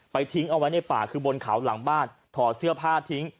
ทิ้งเอาไว้ในป่าคือบนเขาหลังบ้านถอดเสื้อผ้าทิ้ง